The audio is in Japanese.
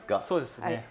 そうですね